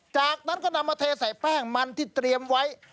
จากนั้นก็นำมาเทใส่แป้งมันที่เตรียมไว้